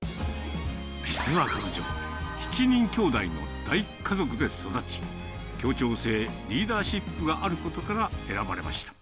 実は彼女、７人きょうだいの大家族で育ち、協調性、リーダーシップがあることから選ばれました。